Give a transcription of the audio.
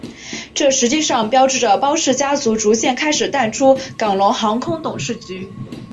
这实际上标志着包氏家族逐渐开始淡出港龙航空董事局。